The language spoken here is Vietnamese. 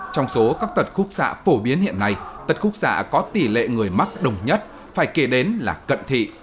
trong số các tật khúc xạ phổ biến hiện nay tật khúc xạ có tỷ lệ người mắc đồng nhất phải kể đến là cận thị